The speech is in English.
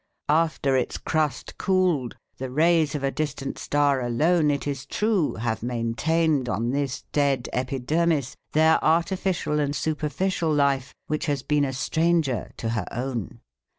After its crust cooled, the rays of a distant star alone, it is true, have maintained on this dead epidermis their artificial and superficial life which has been a stranger to her own.